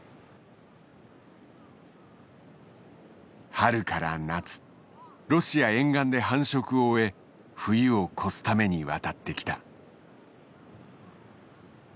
春から夏ロシア沿岸で繁殖を終え冬を越すために渡ってきた。